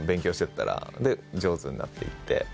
で上手になっていって。